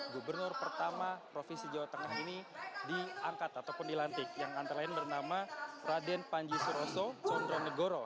gubernur pertama provinsi jawa tengah ini diangkat ataupun dilantik yang antara lain bernama raden panji suroso condronegoro